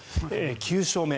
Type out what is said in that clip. ９勝目。